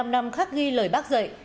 bảy mươi năm năm khắc ghi lời bác dạy